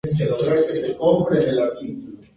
La cabecera del departamento fue Casablanca.